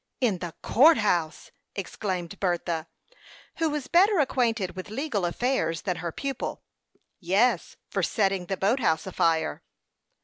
"In the court house!" exclaimed Bertha, who was better acquainted with legal affairs than her pupil. "Yes, for setting the boat house afire."